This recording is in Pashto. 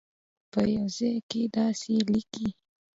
په یوه ځای کې داسې لیکي.